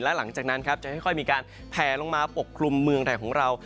และหลังจากนั้นครับจะค่อยมีการแผลลงมาปกคลุมเมืองไทยของเรา